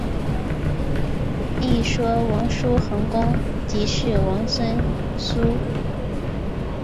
一说王叔桓公即是王孙苏。